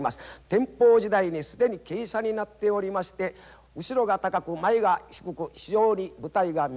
天保時代に既に傾斜になっておりまして後ろが高く前が低く非常に舞台が見やすいような状態となっております。